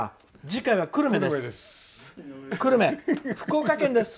次回は久留米です。